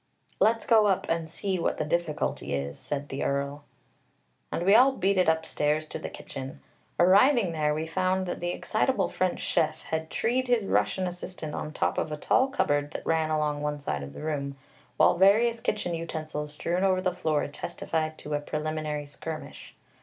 Let's go up and see what the difficulty is," said the Earl. And we all beat it upstairs to the kitchen. Arriving there, we found that the excitable French chef had treed his Russian assistant on top of a tall cupboard that ran along one side of the room, while various kitchen utensils strewn over the floor testified to a preliminary skirmish.